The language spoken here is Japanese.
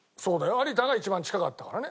有田が一番近かったからね。